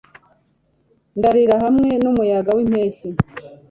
Ndarira hamwe n'umuyaga w'impeshyi;